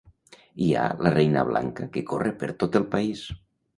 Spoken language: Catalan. Hi ha la Reina Blanca que corre per tot el país!